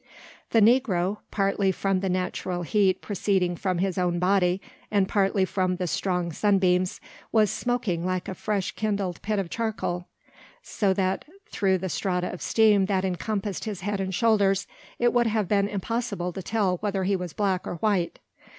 The negro, partly from the natural heat proceeding from his own body, and partly from the strong sunbeams, was smoking like a fresh kindled pit of charcoal: so that, through the strata of steam that encompassed his head and shoulders, it would have been impossible to tell whether he was black or white.